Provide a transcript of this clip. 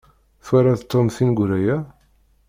Twalaḍ Tom tineggura-ya?